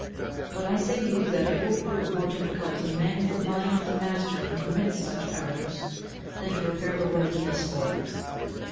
But I say to you that it will prove more difficult to mend the mind of the master who commits such errors than to repair the work he has spoilt.